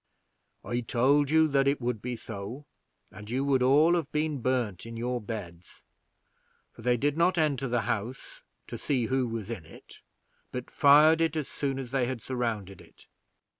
"I told you that it would be so, and you would all have been burned in your beds, for they did not enter the house to see who was in it, but fired it as soon as they had surrounded it."